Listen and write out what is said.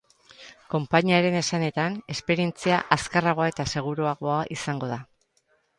Konpainiaren esanetan, esperientzia azkarragoa eta seguruagoa izango da.